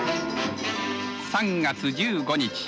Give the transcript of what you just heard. ３月１５日